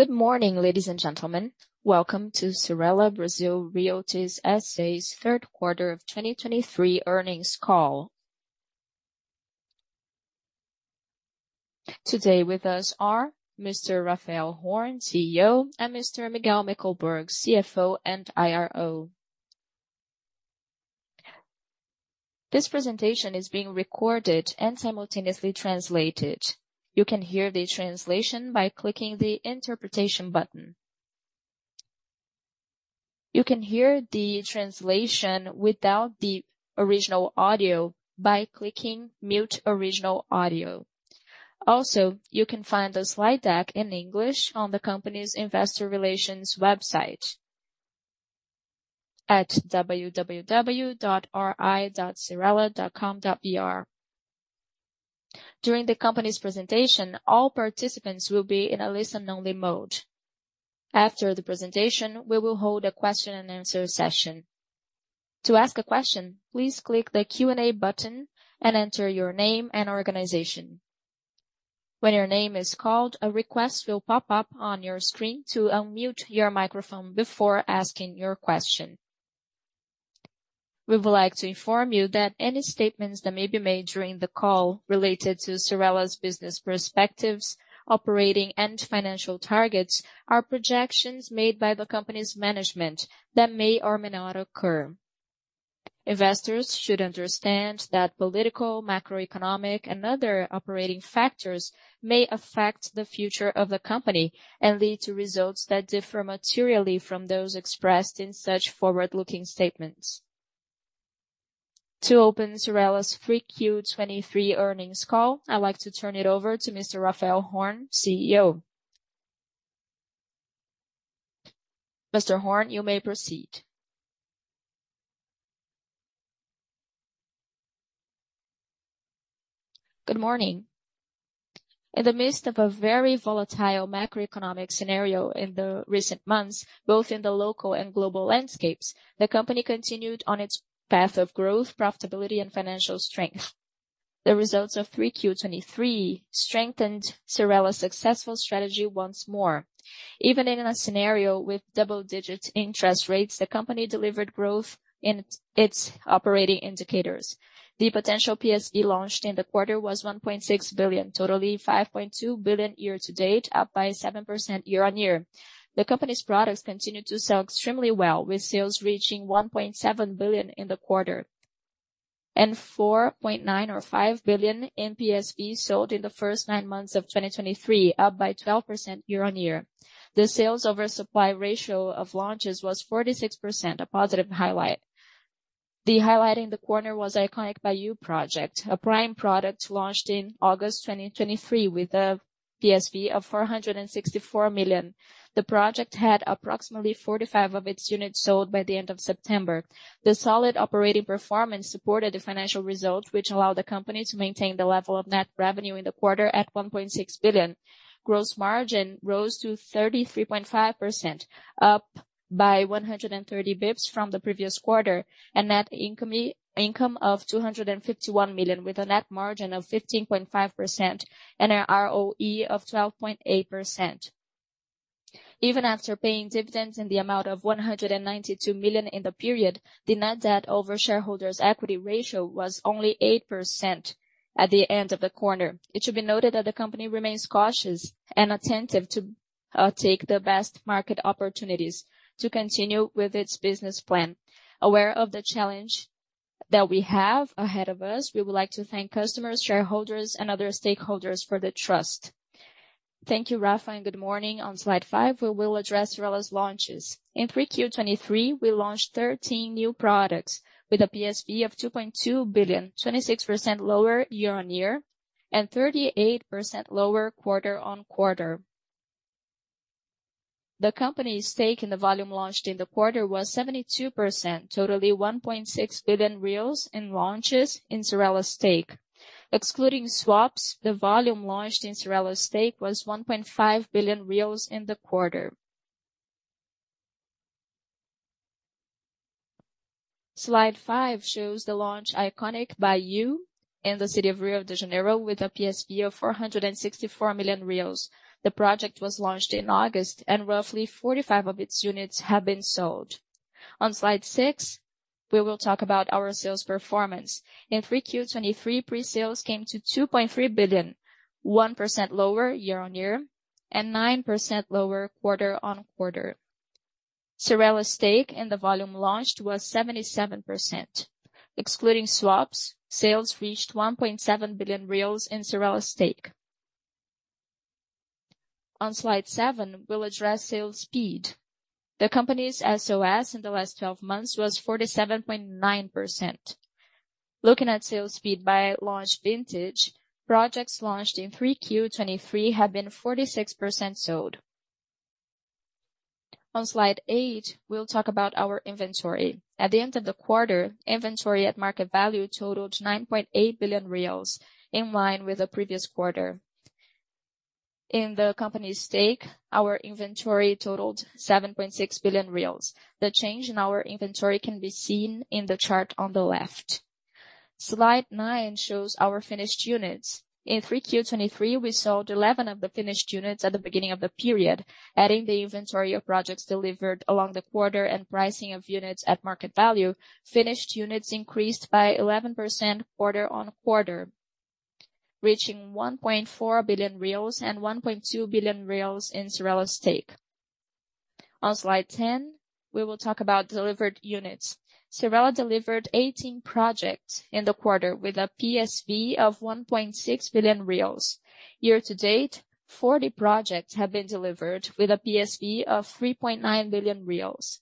Good morning, ladies and gentlemen. Welcome to Cyrela Brazil Realty S.A.'s third quarter of 2023 earnings call. Today with us are Mr. Raphael Horn, CEO, and Mr. Miguel Mickelberg, CFO and IRO. This presentation is being recorded and simultaneously translated. You can hear the translation by clicking the Interpretation button. You can hear the translation without the original audio by clicking Mute Original Audio. Also, you can find the slide deck in English on the company's investor relations website at www.ri.cyrela.com.br. During the company's presentation, all participants will be in a listen-only mode. After the presentation, we will hold a question and answer session. To ask a question, please click the Q&A button and enter your name and organization. When your name is called, a request will pop up on your screen to unmute your microphone before asking your question. We would like to inform you that any statements that may be made during the call related to Cyrela's business perspectives, operating and financial targets, are projections made by the company's management that may or may not occur. Investors should understand that political, macroeconomic, and other operating factors may affect the future of the company and lead to results that differ materially from those expressed in such forward-looking statements. To open Cyrela's 3Q 2023 earnings call, I'd like to turn it over to Mr. Raphael Horn, CEO. Mr. Horn, you may proceed. Good morning. In the midst of a very volatile macroeconomic scenario in the recent months, both in the local and global landscapes, the company continued on its path of growth, profitability, and financial strength. The results of 3Q 2023 strengthened Cyrela's successful strategy once more. Even in a scenario with double-digit interest rates, the company delivered growth in its operating indicators. The potential PSV launched in the quarter was 1.6 billion, totally 5.2 billion year to date, up by 7% year-on-year. The company's products continued to sell extremely well, with sales reaching 1.7 billion in the quarter, and 4.9 or 5 billion in PSV sold in the first 9 months of 2023, up by 12% year-on-year. The sales over supply ratio of launches was 46%, a positive highlight. The highlight in the quarter was Iconic by You project, a prime product launched in August 2023 with a PSV of 464 million. The project had approximately 45 of its units sold by the end of September. The solid operating performance supported the financial results, which allowed the company to maintain the level of net revenue in the quarter at 1.6 billion. Gross margin rose to 33.5%, up by 130 basis points from the previous quarter, and net income, income of 251 million, with a net margin of 15.5% and a ROE of 12.8%. Even after paying dividends in the amount of 192 million in the period, the net debt over shareholders' equity ratio was only 8% at the end of the quarter. It should be noted that the company remains cautious and attentive to take the best market opportunities to continue with its business plan. Aware of the challenge that we have ahead of us, we would like to thank customers, shareholders, and other stakeholders for the trust. Thank you, Raphael, and good morning. On slide 5, we will address Cyrela's launches. In 3Q 2023, we launched 13 new products with a PSV of 2.2 billion, 26% lower year-on-year, and 38% lower quarter-on-quarter. The company's stake in the volume launched in the quarter was 72%, totaling 1.6 billion reais in launches in Cyrela's stake. Excluding swaps, the volume launched in Cyrela's stake was 1.5 billion reais in the quarter. Slide 5 shows the launch Iconic by You in the city of Rio de Janeiro with a PSV of 464 million reais. The project was launched in August, and roughly 45 of its units have been sold. On slide 6, we will talk about our sales performance. In 3Q 2023, pre-sales came to 2.3 billion, 1% lower year-on-year, and 9% lower quarter-on-quarter. Cyrela's stake in the volume launched was 77%. Excluding swaps, sales reached 1.7 billion reais in Cyrela's stake. On slide 7, we'll address sales speed. The company's SOS in the last twelve months was 47.9%. Looking at sales speed by launch vintage, projects launched in 3Q 2023 have been 46% sold. On slide 8, we'll talk about our inventory. At the end of the quarter, inventory at market value totaled 9.8 billion reais, in line with the previous quarter. In the company's stake, our inventory totaled 7.6 billion reais. The change in our inventory can be seen in the chart on the left. Slide 9 shows our finished units. In 3Q 2023, we sold 11 of the finished units at the beginning of the period, adding the inventory of projects delivered along the quarter and pricing of units at market value. Finished units increased by 11% quarter-on-quarter, reaching 1.4 billion reais and 1.2 billion reais in Cyrela stake. On slide ten, we will talk about delivered units. Cyrela delivered 18 projects in the quarter, with a PSV of 1.6 billion reais. Year to date, 40 projects have been delivered, with a PSV of 3.9 billion reais.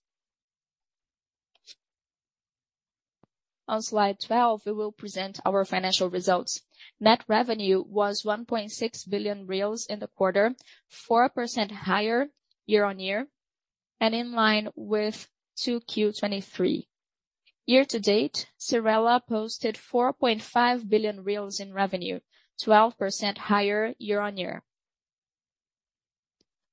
On slide twelve, we will present our financial results. Net revenue was 1.6 billion reais in the quarter, 4% higher year-on-year, and in line with 2Q 2023. Year-to-date, Cyrela posted 4.5 billion in revenue, 12% higher year-on-year.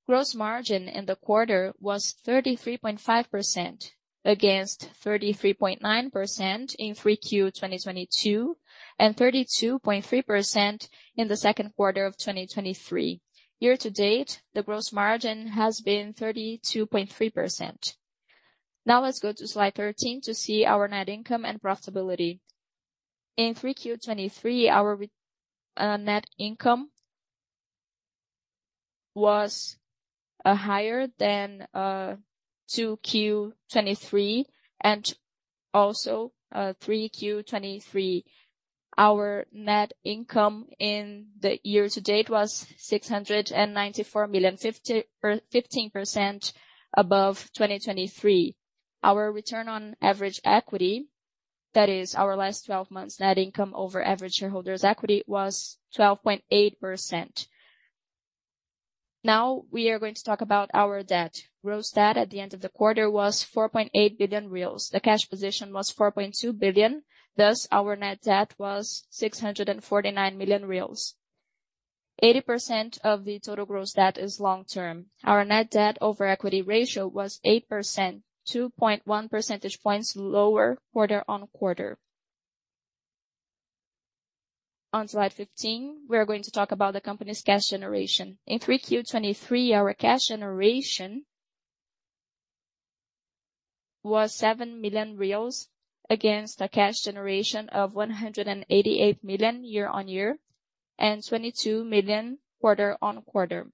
Gross margin in the quarter was 33.5%, against 33.9% in 3Q 2022, and 32.3% in the second quarter of 2023. Year-to-date, the gross margin has been 32.3%. Now let's go to slide 13 to see our net income and profitability. In 3Q 2023, our net income was higher than 2Q 2023 and also 3Q 2023. Our net income in the year-to-date was 694 million, 15% above 2023. Our return on average equity, that is our last twelve months net income over average shareholders' equity, was 12.8%. Now, we are going to talk about our debt. Gross debt at the end of the quarter was 4.8 billion reais. The cash position was 4.2 billion, thus, our net debt was 649 million reais. 80% of the total gross debt is long-term. Our net debt over equity ratio was 8%, 2.1 percentage points lower quarter-on-quarter. On slide 15, we are going to talk about the company's cash generation. In 3Q 2023, our cash generation was 7 million reais, against a cash generation of 188 million year-on-year, and 22 million quarter-on-quarter.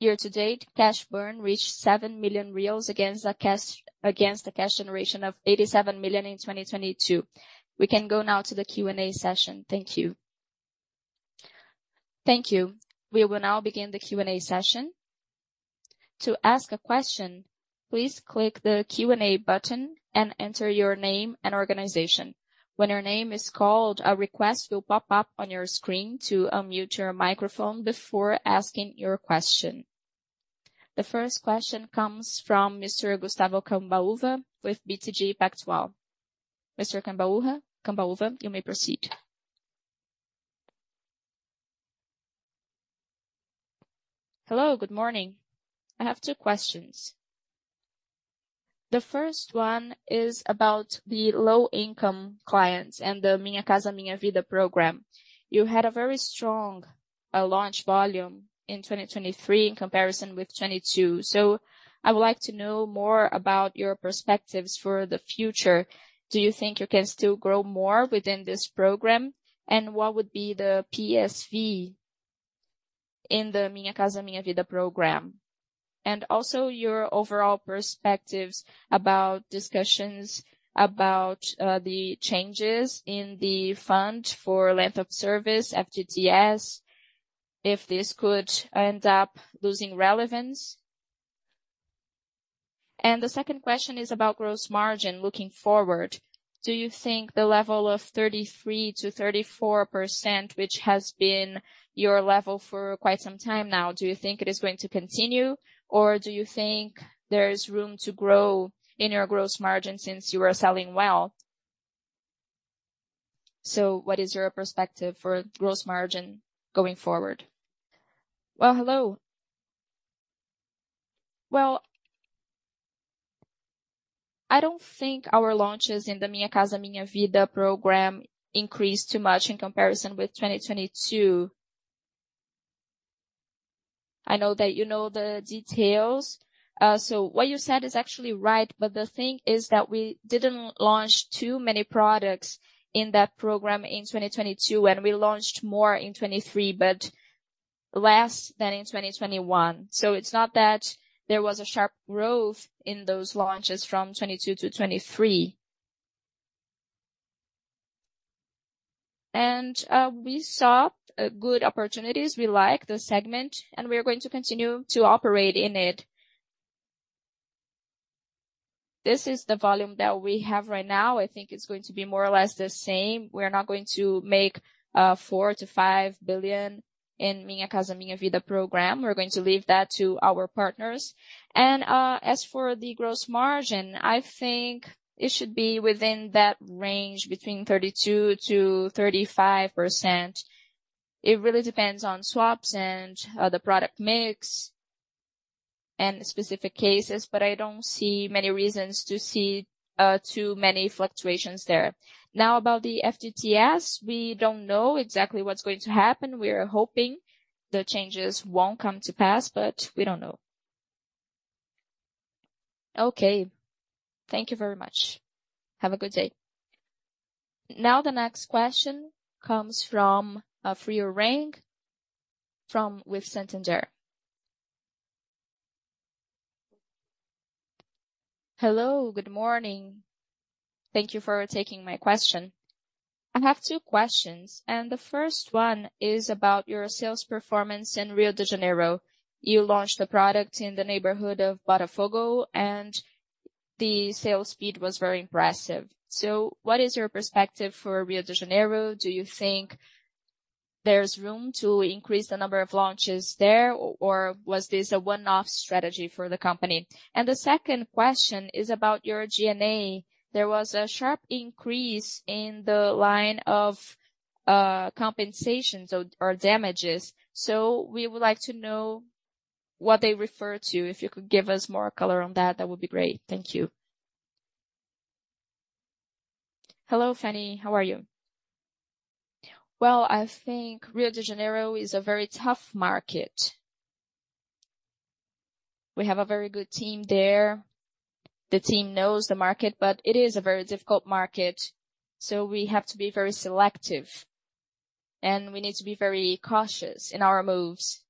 Year-to-date, cash burn reached 7 million reais against a cash generation of 87 million in 2022. We can go now to the Q&A session. Thank you. Thank you. We will now begin the Q&A session. To ask a question, please click the Q&A button and enter your name and organization. When your name is called, a request will pop up on your screen to mute your microphone before asking your question. The first question comes from Mr. Gustavo Cambauva with BTG Pactual. Mr. Cambauva, you may proceed. Hello, good morning. I have 2 questions. The first one is about the low-income clients and the Minha Casa Minha Vida program. You had a very strong launch volume in 2023 in comparison with 2022. So I would like to know more about your perspectives for the future. Do you think you can still grow more within this program? And what would be the PSV in the Minha Casa Minha Vida program? Also, your overall perspectives about discussions about the changes in the fund for length of service, FGTS, if this could end up losing relevance. The second question is about gross margin looking forward. Do you think the level of 33%-34%, which has been your level for quite some time now, do you think it is going to continue, or do you think there is room to grow in your gross margin since you are selling well? So what is your perspective for gross margin going forward? Well, hello. Well, I don't think our launches in the Minha Casa Minha Vida program increased too much in comparison with 2022. I know that you know the details, so what you said is actually right. But the thing is that we didn't launch too many products in that program in 2022, and we launched more in 2023, but less than in 2021. So it's not that there was a sharp growth in those launches from 2022 to 2023. And we saw good opportunities. We like the segment, and we are going to continue to operate in it. This is the volume that we have right now. I think it's going to be more or less the same. We're not going to make 4 billion-5 billion in Minha Casa Minha Vida program. We're going to leave that to our partners. And as for the gross margin, I think it should be within that range, between 32%-35%. It really depends on swaps and, the product mix and specific cases, but I don't see many reasons to see, too many fluctuations there. Now, about the FGTS, we don't know exactly what's going to happen. We are hoping the changes won't come to pass, but we don't know. Okay, thank you very much. Have a good day. Now, the next question comes from, Fanny Oreng from, with Santander. Hello, good morning. Thank you for taking my question. I have 2 questions, and the first one is about your sales performance in Rio de Janeiro. You launched a product in the neighborhood of Botafogo, and the sales speed was very impressive. So what is your perspective for Rio de Janeiro? Do you think there's room to increase the number of launches there, or was this a one-off strategy for the company? The second question is about your G&A. There was a sharp increase in the line of, compensations or, or damages, so we would like to know what they refer to. If you could give us more color on that, that would be great. Thank you. Hello, Fanny. How are you? Well, I think Rio de Janeiro is a very tough market. We have a very good team there. The team knows the market, but it is a very difficult market, so we have to be very selective, and we need to be very cautious in our moves.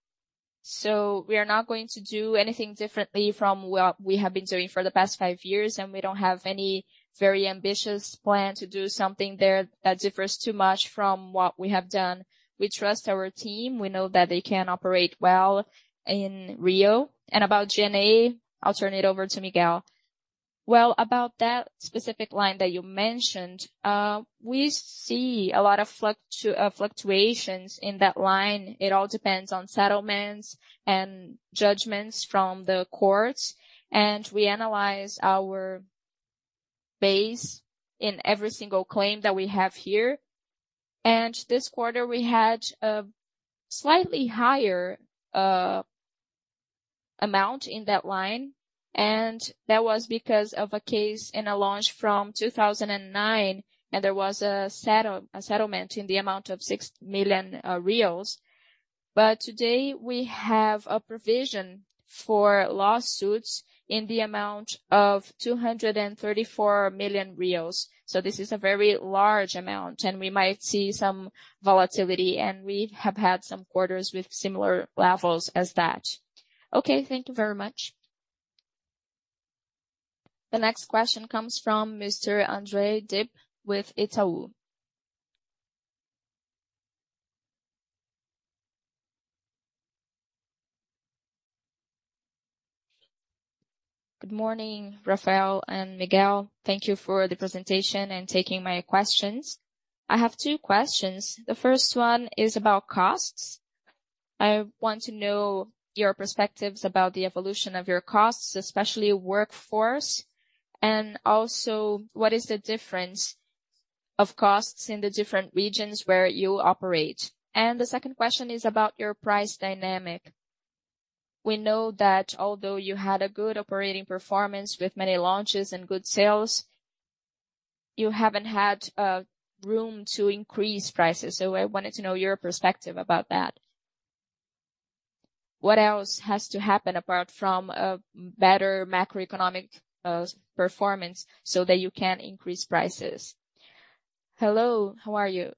So we are not going to do anything differently from what we have been doing for the past 5 years, and we don't have any very ambitious plan to do something there that differs too much from what we have done. We trust our team. We know that they can operate well in Rio. And about G&A, I'll turn it over to Miguel. Well, about that specific line that you mentioned, we see a lot of fluctuations in that line. It all depends on settlements and judgments from the courts, and we analyze our base in every single claim that we have here. And this quarter, we had a slightly higher amount in that line, and that was because of a case in a launch from 2009, and there was a settlement in the amount of 6 million reais. But today, we have a provision for lawsuits in the amount of 234 million. So this is a very large amount, and we might see some volatility, and we have had some quarters with similar levels as that. Okay, thank you very much. The next question comes from Mr. André Dibe with Itaú. Good morning, Rafael and Miguel. Thank you for the presentation and taking my questions. I have 2 questions. The first one is about costs. I want to know your perspectives about the evolution of your costs, especially workforce, and also what is the difference of costs in the different regions where you operate? And the second question is about your price dynamic. We know that although you had a good operating performance with many launches and good sales, you haven't had room to increase prices. So I wanted to know your perspective about that. What else has to happen, apart from a better macroeconomic performance, so that you can increase prices? Hello, how are you?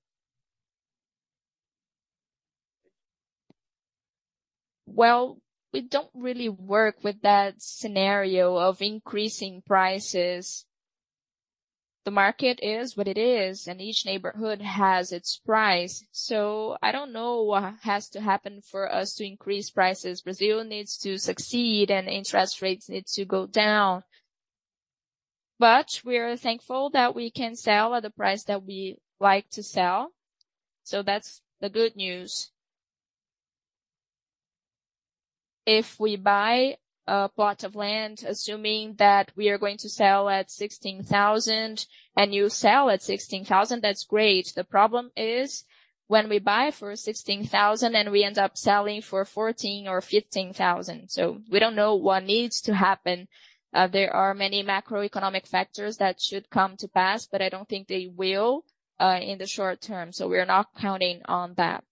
Well, we don't really work with that scenario of increasing prices. The market is what it is, and each neighborhood has its price, so I don't know what has to happen for us to increase prices. Brazil needs to succeed, and interest rates need to go down. But we are thankful that we can sell at the price that we like to sell, so that's the good news. If we buy a plot of land, assuming that we are going to sell at 16,000, and you sell at 16,000, that's great. The problem is when we buy for 16,000, and we end up selling for 14,000 or 15,000. So we don't know what needs to happen. There are many macroeconomic factors that should come to pass, but I don't think they will in the short term, so we're not counting on that.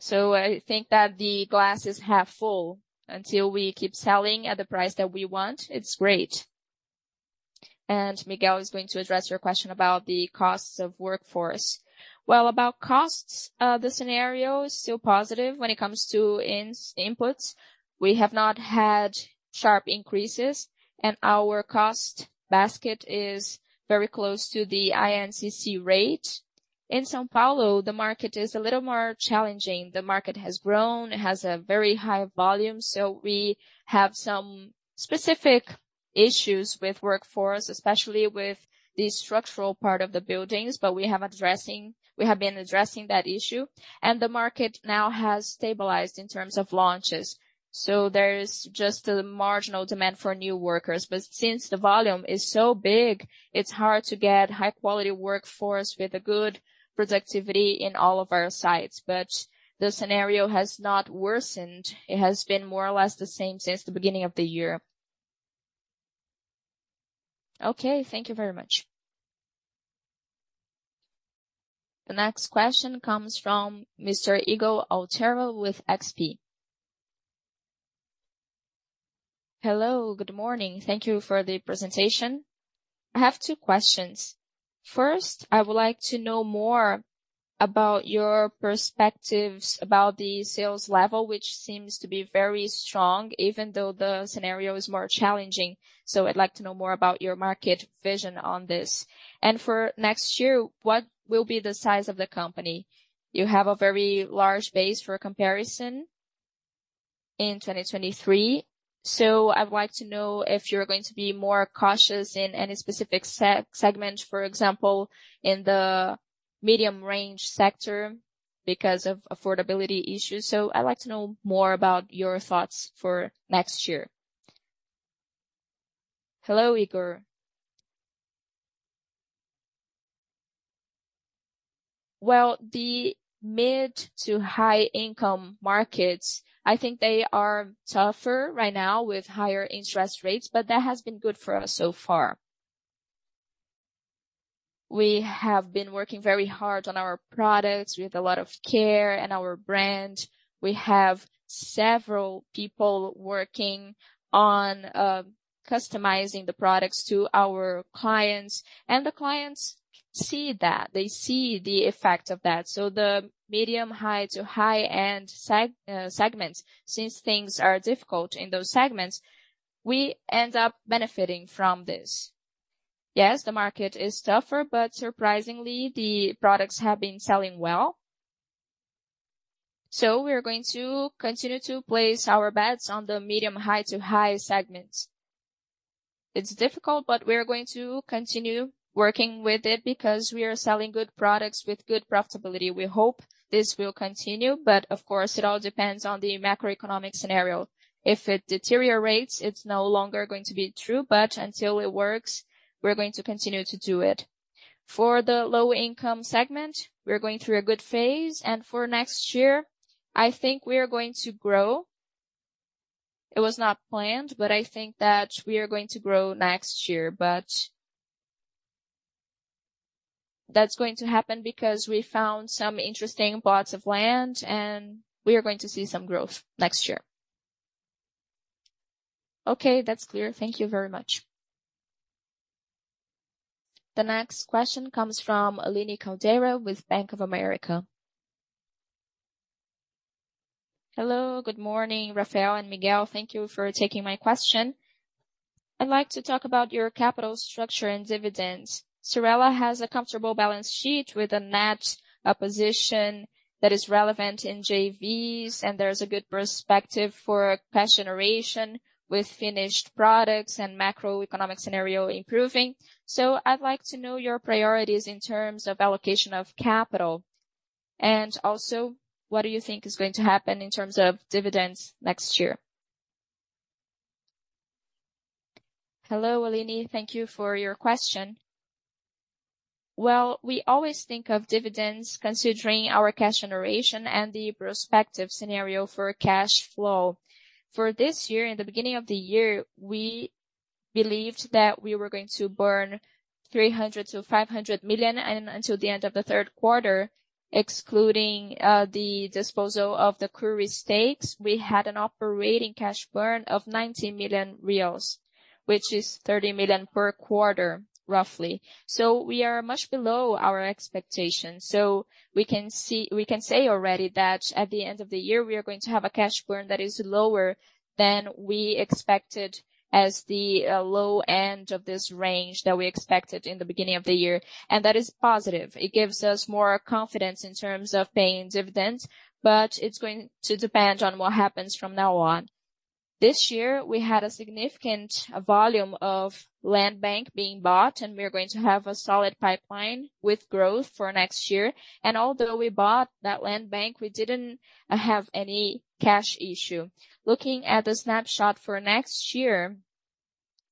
So I think that the glass is half full. Until we keep selling at the price that we want, it's great. And Miguel is going to address your question about the costs of workforce. Well, about costs, the scenario is still positive when it comes to inputs. We have not had sharp increases, and our cost basket is very close to the INCC rate. In São Paulo, the market is a little more challenging. The market has grown, it has a very high volume, so we have some specific issues with workforce, especially with the structural part of the buildings, but we have been addressing that issue, and the market now has stabilized in terms of launches. So there is just a marginal demand for new workers. But since the volume is so big, it's hard to get high quality workforce with a good productivity in all of our sites. But the scenario has not worsened. It has been more or less the same since the beginning of the year. Okay, thank you very much. The next question comes from Mr. Ygor Altero with XP. Hello, good morning. Thank you for the presentation. I have 2 questions. First, I would like to know more about your perspectives about the sales level, which seems to be very strong, even though the scenario is more challenging. So I'd like to know more about your market vision on this. And for next year, what will be the size of the company? You have a very large base for comparison in 2023, so I'd like to know if you're going to be more cautious in any specific seg, segment, for example, in the medium range sector, because of affordability issues. So I'd like to know more about your thoughts for next year. Hello, Igor. Well, the mid to high income markets, I think they are tougher right now with higher interest rates, but that has been good for us so far. We have been working very hard on our products, with a lot of care and our brand. We have several people working on customizing the products to our clients, and the clients see that, they see the effect of that. So the medium high to high-end segments, since things are difficult in those segments, we end up benefiting from this. Yes, the market is tougher, but surprisingly, the products have been selling well. So we are going to continue to place our bets on the medium high to high segments. It's difficult, but we are going to continue working with it because we are selling good products with good profitability. We hope this will continue, but of course, it all depends on the macroeconomic scenario. If it deteriorates, it's no longer going to be true, but until it works, we're going to continue to do it. For the low income segment, we're going through a good phase, and for next year, I think we are going to grow. It was not planned, but I think that we are going to grow next year, but that's going to happen because we found some interesting plots of land, and we are going to see some growth next year. Okay, that's clear. Thank you very much. The next question comes from Aline Caldeira with Bank of America. Hello, good morning, Rafael and Miguel. Thank you for taking my question. I'd like to talk about your capital structure and dividends. Cyrela has a comfortable balance sheet with a net, a position that is relevant in JVs, and there's a good perspective for cash generation with finished products and macroeconomic scenario improving. So I'd like to know your priorities in terms of allocation of capital, and also, what do you think is going to happen in terms of dividends next year? Hello, Aline. Thank you for your question. Well, we always think of dividends considering our cash generation and the prospective scenario for cash flow. For this year, in the beginning of the year, we believed that we were going to burn 300 million-500 million, and until the end of the third quarter, excluding the disposal of the Cury stakes, we had an operating cash burn of BRL 90 million, which is 30 million per quarter, roughly. So we are much below our expectations. So we can see, we can say already that at the end of the year, we are going to have a cash burn that is lower than we expected as the low end of this range that we expected in the beginning of the year, and that is positive. It gives us more confidence in terms of paying dividends, but it's going to depend on what happens from now on. This year, we had a significant volume of land bank being bought, and we are going to have a solid pipeline with growth for next year. And although we bought that land bank, we didn't have any cash issue. Looking at the snapshot for next year,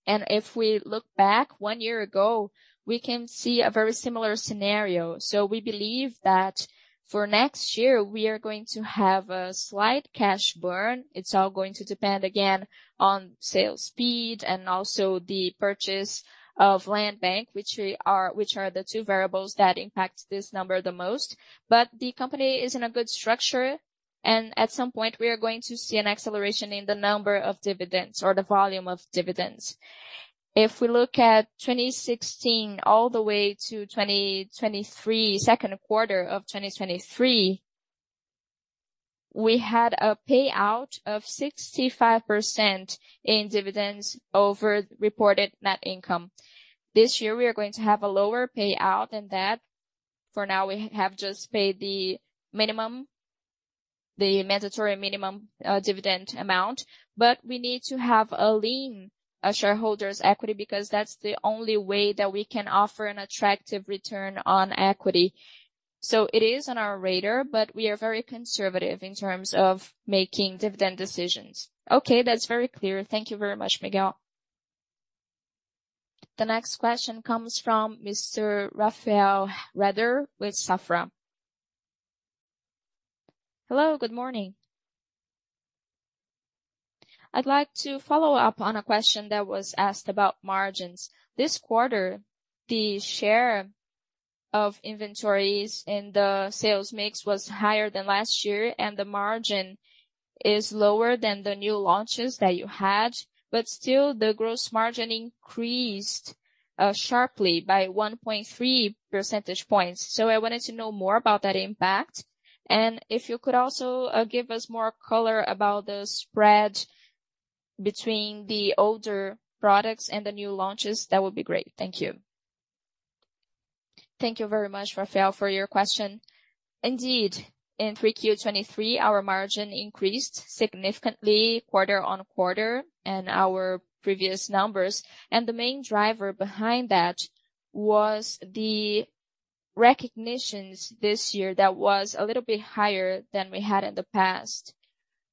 and if we look back 1 year ago, we can see a very similar scenario. So we believe that for next year, we are going to have a slight cash burn. It's all going to depend, again, on sales speed and also the purchase of land bank, which are the 2 variables that impact this number the most. But the company is in a good structure, and at some point, we are going to see an acceleration in the number of dividends or the volume of dividends. If we look at 2016 all the way to 2023, second quarter of 2023, we had a payout of 65% in dividends over reported net income. This year, we are going to have a lower payout than that. For now, we have just paid the mandatory minimum dividend amount. But we need to have a lean shareholders' equity, because that's the only way that we can offer an attractive return on equity. So it is on our radar, but we are very conservative in terms of making dividend decisions. Okay, that's very clear. Thank you very much, Miguel. The next question comes from Mr. Rafael Rehder with Safra. Hello, good morning. I'd like to follow up on a question that was asked about margins. This quarter, the share of inventories and the sales mix was higher than last year, and the margin is lower than the new launches that you had. But still, the gross margin increased sharply by 1.3 percentage points. So I wanted to know more about that impact, and if you could also give us more color about the spread between the older products and the new launches, that would be great. Thank you. Thank you very much, Rafael, for your question. Indeed, in 3Q 2023, our margin increased significantly quarter-on-quarter in our previous numbers, and the main driver behind that was the recognitions this year that was a little bit higher than we had in the past.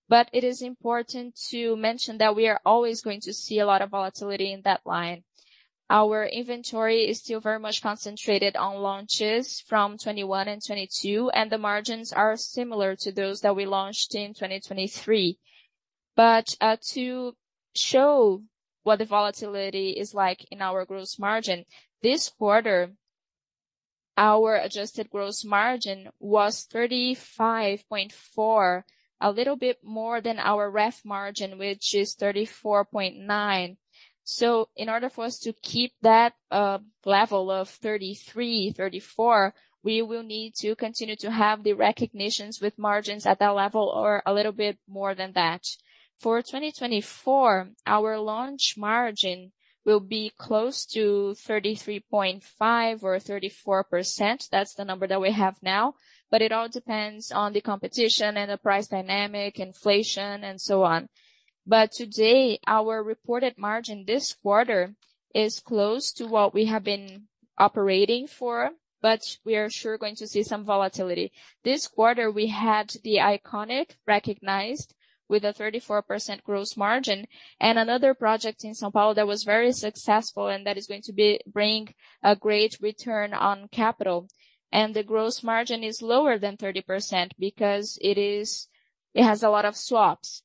But it is important to mention that we are always going to see a lot of volatility in that line. Our inventory is still very much concentrated on launches from 2021 and 2022, and the margins are similar to those that we launched in 2023. But, to show what the volatility is like in our gross margin, this quarter, our adjusted gross margin was 35.4, a little bit more than our ref margin, which is 34.9. In order for us to keep that level of 33-34, we will need to continue to have the recognitions with margins at that level or a little bit more than that. For 2024, our launch margin will be close to 33.5%-34%. That's the number that we have now, but it all depends on the competition and the price dynamic, inflation, and so on. But today, our reported margin this quarter is close to what we have been operating for, but we are sure going to see some volatility. This quarter, we had the Iconic recognized with a 34% gross margin, and another project in São Paulo that was very successful and that is going to bring a great return on capital. The gross margin is lower than 30% because it is, it has a lot of swaps.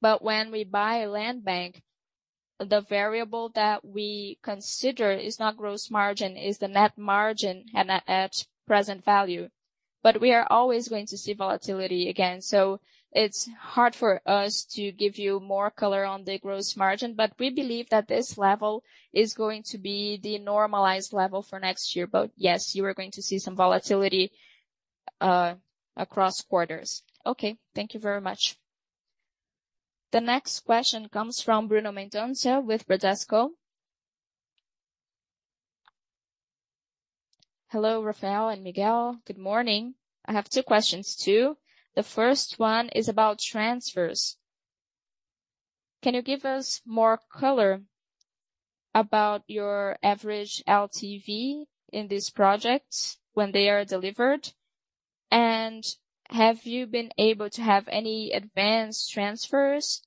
But when we buy a land bank, the variable that we consider is not gross margin, is the net margin and at, at present value. But we are always going to see volatility again. So it's hard for us to give you more color on the gross margin, but we believe that this level is going to be the normalized level for next year. But yes, you are going to see some volatility, across quarters. Okay, thank you very much. The next question comes from Bruno Mendonça with Bradesco. Hello, Rafael and Miguel. Good morning. I have 2 questions, too. The first one is about transfers. Can you give us more color about your average LTV in this project when they are delivered? Have you been able to have any advanced transfers,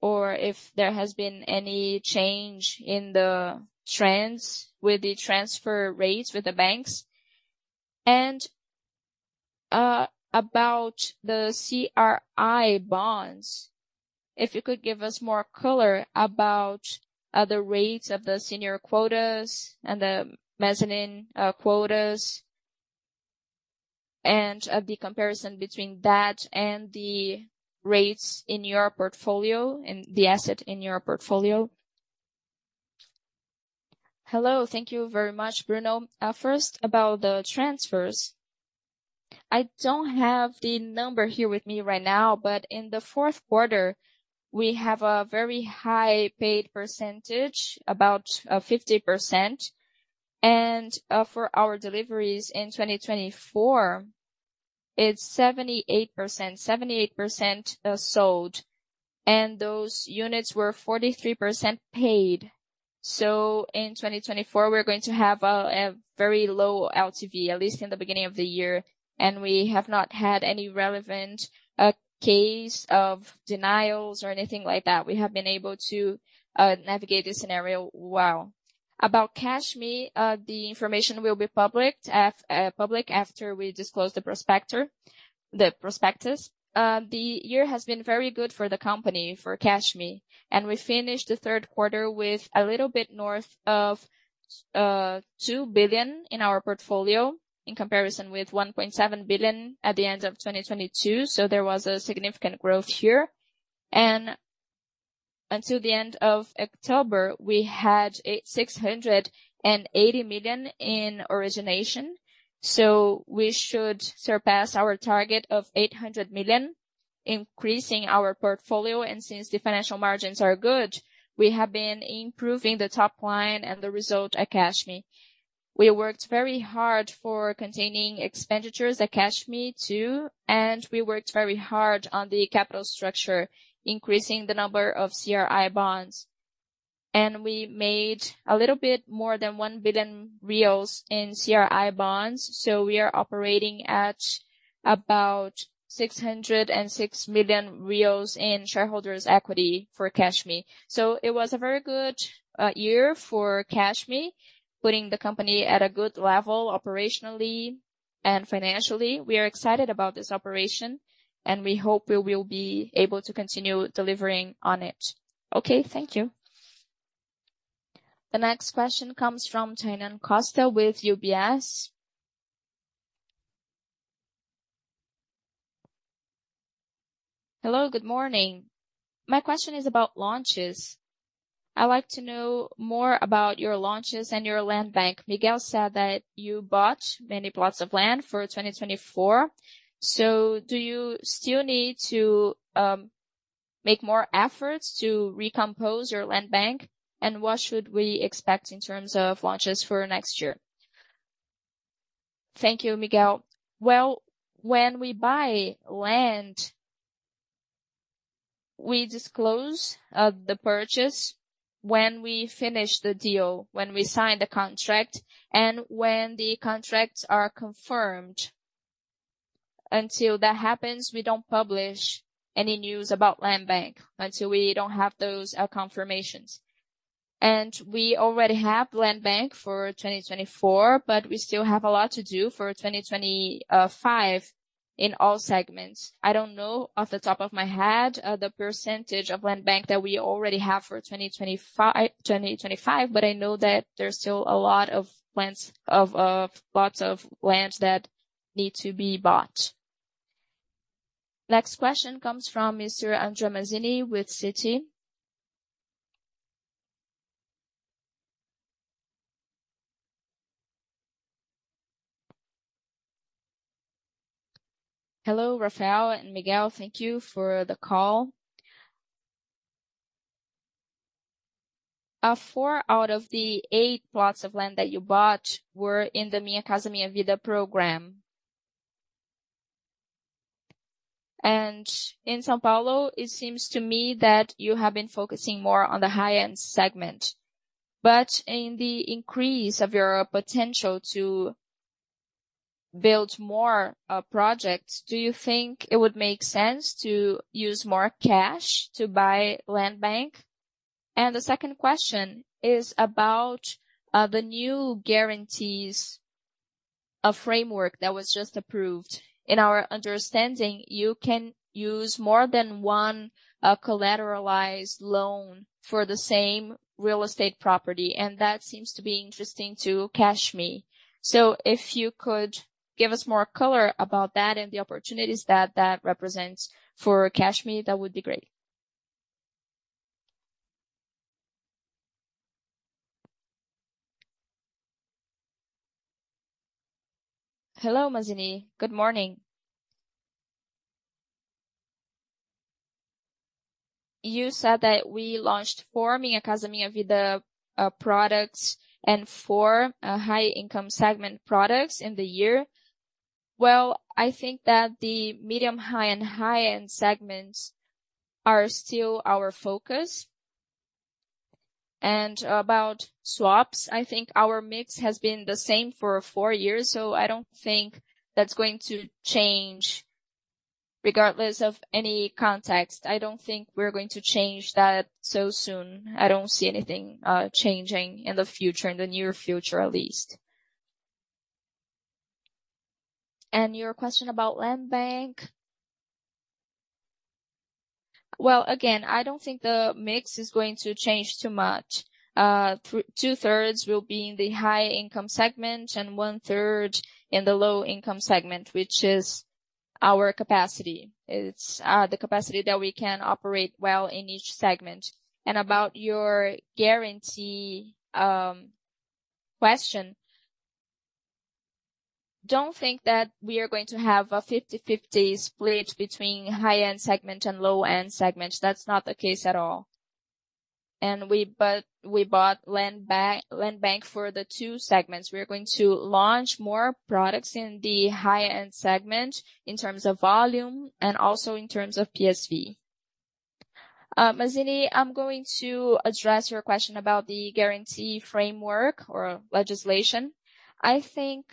or if there has been any change in the trends with the transfer rates with the banks? And, about the CRI bonds, if you could give us more color about the rates of the senior quotas and the mezzanine quotas, and the comparison between that and the rates in your portfolio, in the asset in your portfolio? Hello, thank you very much, Bruno. First, about the transfers. I don't have the number here with me right now, but in the fourth quarter, we have a very high paid percentage, about 50%. And, for our deliveries in 2024, it's 78%. 78% sold, and those units were 43% paid. So in 2024, we're going to have a very low LTV, at least in the beginning of the year, and we have not had any relevant case of denials or anything like that. We have been able to navigate this scenario well. About CashMe, the information will be public after we disclose the prospectus. The year has been very good for the company, for CashMe, and we finished the third quarter with a little bit north of 2 billion in our portfolio, in comparison with 1.7 billion at the end of 2022. So there was a significant growth here. And until the end of October, we had 680 million in origination, so we should surpass our target of 800 million. Increasing our portfolio, and since the financial margins are good, we have been improving the top line and the result at CashMe. We worked very hard for containing expenditures at CashMe, too, and we worked very hard on the capital structure, increasing the number of CRI bonds. And we made a little bit more than 1 billion reais in CRI bonds, so we are operating at about 606 million reais in shareholders' equity for CashMe. So it was a very good year for CashMe, putting the company at a good level operationally and financially. We are excited about this operation, and we hope we will be able to continue delivering on it. Okay, thank you. The next question comes from Tainan Costa with UBS. Hello, good morning. My question is about launches. I'd like to know more about your launches and your land bank. Miguel said that you bought many plots of land for 2024. So do you still need to make more efforts to recompose your land bank? And what should we expect in terms of launches for next year? Thank you, Miguel. Well, when we buy land, we disclose the purchase when we finish the deal, when we sign the contract, and when the contracts are confirmed. Until that happens, we don't publish any news about land bank, until we don't have those confirmations. And we already have land bank for 2024, but we still have a lot to do for 2025 in all segments. I don't know off the top of my head, the percentage of land bank that we already have for 2025, but I know that there's still a lot of land plots that need to be bought. Next question comes from Mr. André Mazini, with Citi. Hello, Rafael and Miguel. Thank you for the call. 4 out of the 8 plots of land that you bought were in the Minha Casa Minha Vida program. In São Paulo, it seems to me that you have been focusing more on the high-end segment, but in the increase of your potential to build more projects, do you think it would make sense to use more cash to buy land bank? The second question is about the new guarantees framework that was just approved. In our understanding, you can use more than one collateralized loan for the same real estate property, and that seems to be interesting to CashMe. So if you could give us more color about that and the opportunities that that represents for CashMe, that would be great. Hello, Mazini. Good morning. You said that we launched 4 Minha Casa Minha Vida products and four high-income segment products in the year. Well, I think that the medium high and high-end segments are still our focus. And about swaps, I think our mix has been the same for 4 years, so I don't think that's going to change. Regardless of any context, I don't think we're going to change that so soon. I don't see anything changing in the future, in the near future, at least. And your question about land bank... Well, again, I don't think the mix is going to change too much. 2-thirds will be in the high-income segment and one-third in the low-income segment, which is our capacity. It's the capacity that we can operate well in each segment. And about your guarantee question, don't think that we are going to have a 50/50 split between high-end segment and low-end segments. That's not the case at all. But we bought land bank for the 2 segments. We are going to launch more products in the high-end segment in terms of volume and also in terms of PSV. Mazini, I'm going to address your question about the guarantee framework or legislation. I think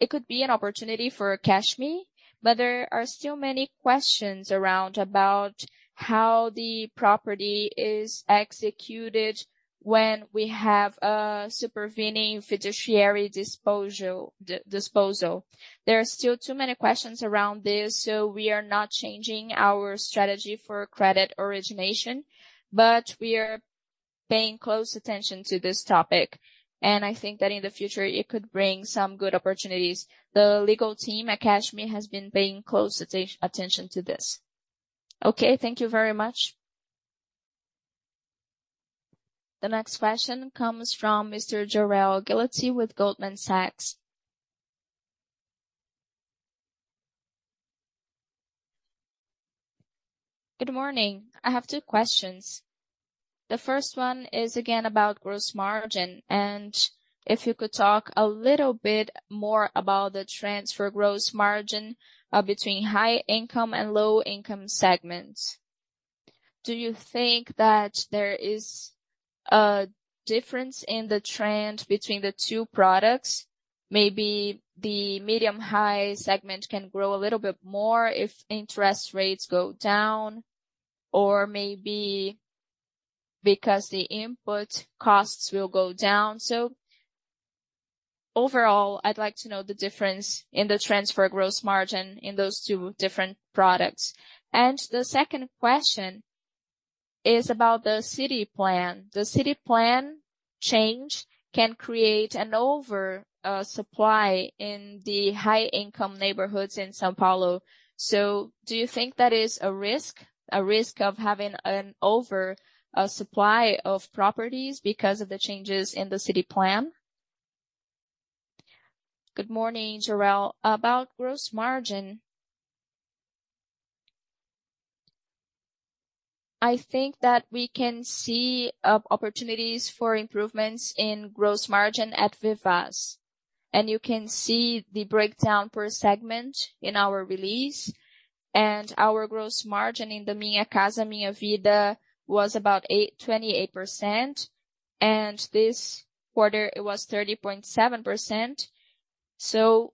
it could be an opportunity for CashMe, but there are still many questions around about how the property is executed when we have a supervening fiduciary disposal. There are still too many questions around this, so we are not changing our strategy for credit origination, but we are paying close attention to this topic, and I think that in the future, it could bring some good opportunities. The legal team at CashMe has been paying close attention to this. Okay, thank you very much. The next question comes from Mr. Jorel Guilloty with Goldman Sachs. Good morning. I have 2 questions. The first one is again about gross margin, and if you could talk a little bit more about the transfer gross margin between high income and low income segments. Do you think that there is a difference in the trend between the 2 products? Maybe the medium-high segment can grow a little bit more if interest rates go down, or maybe because the input costs will go down. So overall, I'd like to know the difference in the transfer gross margin in those 2 different products. And the second question is about the city plan. The city plan change can create an oversupply in the high income neighborhoods in São Paulo. So do you think that is a risk, a risk of having an oversupply of properties because of the changes in the city plan? Good morning, Jorel. About gross margin, I think that we can see opportunities for improvements in gross margin at Vivaz. You can see the breakdown per segment in our release, and our gross margin in the Minha Casa Minha Vida was about 28%, and this quarter it was 30.7%, so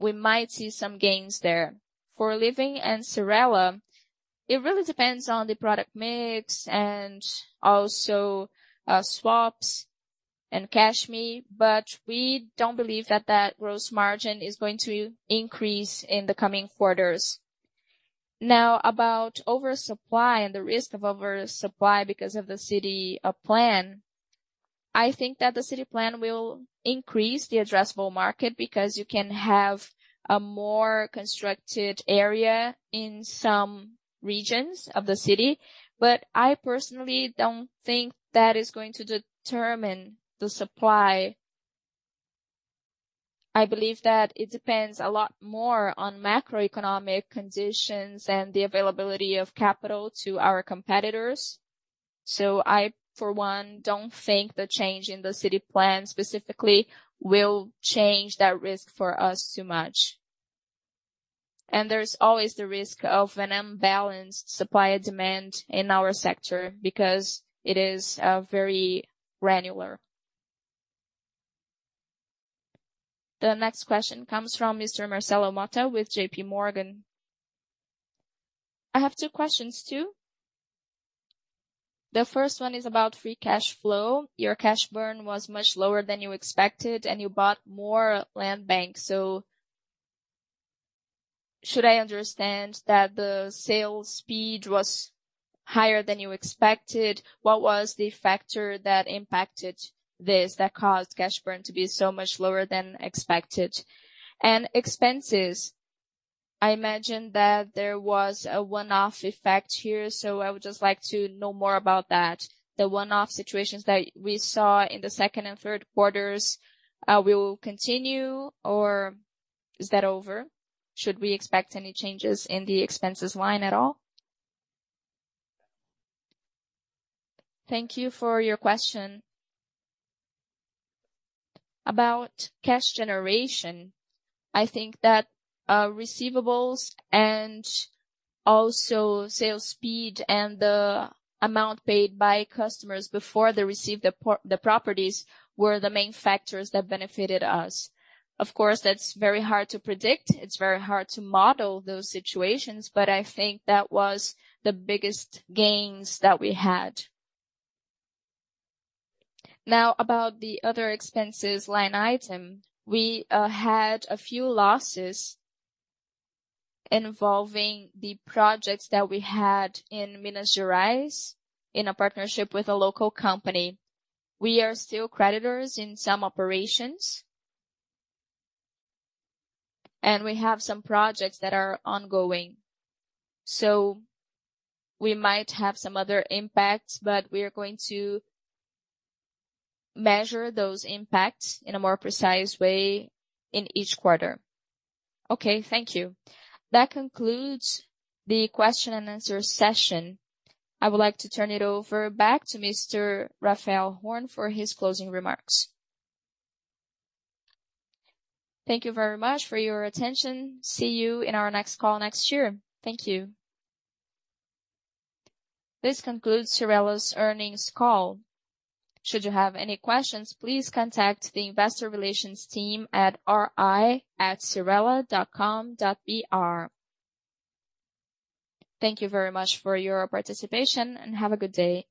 we might see some gains there. For Living and Cyrela, it really depends on the product mix and also, swaps and CashMe, but we don't believe that that gross margin is going to increase in the coming quarters. Now, about oversupply and the risk of oversupply because of the city plan, I think that the city plan will increase the addressable market, because you can have a more constructed area in some regions of the city. But I personally don't think that is going to determine the supply. I believe that it depends a lot more on macroeconomic conditions and the availability of capital to our competitors. So I, for one, don't think the change in the city plan specifically will change that risk for us too much. And there's always the risk of an unbalanced supply and demand in our sector, because it is very granular. The next question comes from Mr. Marcelo Motta with J.P. Morgan. I have 2 questions, too. The first one is about free cash flow. Your cash burn was much lower than you expected, and you bought more land bank. So should I understand that the sales speed was higher than you expected? What was the factor that impacted this, that caused cash burn to be so much lower than expected? And expenses, I imagine that there was a one-off effect here, so I would just like to know more about that. The one-off situations that we saw in the second and third quarters will continue, or is that over? Should we expect any changes in the expenses line at all? Thank you for your question. About cash generation, I think that receivables and also sales speed and the amount paid by customers before they receive the properties were the main factors that benefited us. Of course, that's very hard to predict. It's very hard to model those situations, but I think that was the biggest gains that we had. Now, about the other expenses line item, we had a few losses involving the projects that we had in Minas Gerais, in a partnership with a local company. We are still creditors in some operations, and we have some projects that are ongoing. So we might have some other impacts, but we are going to measure those impacts in a more precise way in each quarter. Okay, thank you. That concludes the question and answer session. I would like to turn it over back to Mr. Raphael Horn for his closing remarks. Thank you very much for your attention. See you in our next call next year. Thank you. This concludes Cyrela's earnings call. Should you have any questions, please contact the investor relations team at ri@cyrela.com.br. Thank you very much for your participation, and have a good day.